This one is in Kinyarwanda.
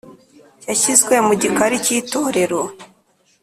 “yashyizwe mu gikari cy'itorero;